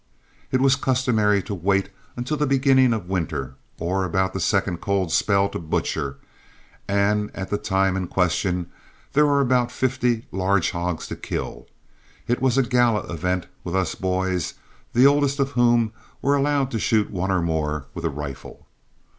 It was customary to wait until the beginning of winter, or about the second cold spell, to butcher, and at the time in question there were about fifty large hogs to kill. It was a gala event with us boys, the oldest of whom were allowed to shoot one or more with a rifle.